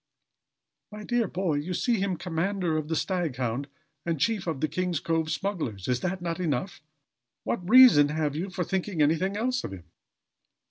"My dear boy, you see him commander of the Staghound and chief of the King's Cove smugglers. Is not this enough? What reason have you for thinking anything else of him?"